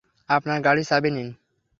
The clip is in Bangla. আপনার গাড়ির চাবি নিন।